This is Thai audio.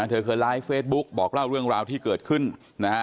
เธอเคยไลฟ์เฟซบุ๊กบอกเล่าเรื่องราวที่เกิดขึ้นนะฮะ